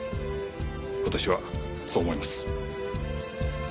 私はそう思います。